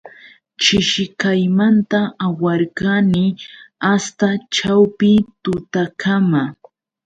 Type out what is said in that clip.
Chishikaymanta awarqani asta ćhawpi tutakama.